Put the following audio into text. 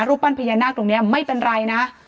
ปั้นพญานาคตรงนี้ไม่เป็นไรนะ